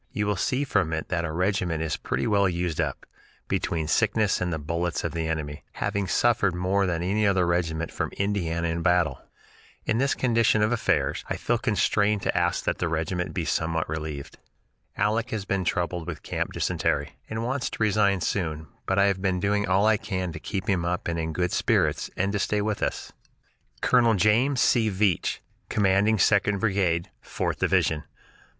You will see from it that our regiment is pretty well used up, between sickness and the bullets of the enemy, having suffered more than any other regiment from Indiana in battle. In this condition of affairs, I feel constrained to ask that the regiment be somewhat relieved. "Aleck has been troubled with camp dysentery, and wants to resign soon but I have been doing all I can to keep him up and in good spirits, and to stay with us." Col. James C. Veatch, Commanding Second Brigade, Fourth Division.